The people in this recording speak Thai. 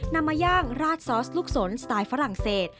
มาย่างราดซอสลูกสนสไตล์ฝรั่งเศส